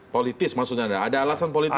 politis maksudnya ada alasan politis